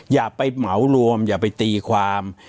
อย่าไปเหมารวมอย่าไปตีความ